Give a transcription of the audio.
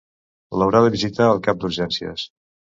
L'haurà de visitar el cap d'urgències.